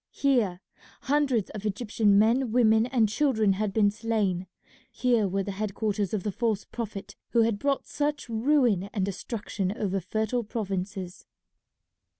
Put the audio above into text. Here hundreds of Egyptian men, women, and children had been slain. Here were the head quarters of the false Prophet who had brought such ruin and destruction over fertile provinces.